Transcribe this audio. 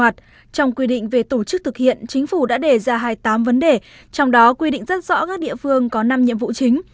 trong quy định về tổ chức thực hiện chính phủ đã đề ra hai mươi tám vấn đề trong đó quy định rất rõ các địa phương có năm nhiệm vụ chính